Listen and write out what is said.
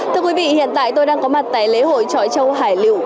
thưa quý vị hiện tại tôi đang có mặt tại lễ hội trọi trâu hải lựu